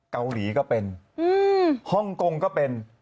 เกาหลีก็เป็นฮ่องกงก็เป็น